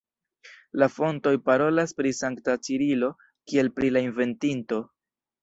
La fontoj parolas pri sankta Cirilo kiel pri la inventinto.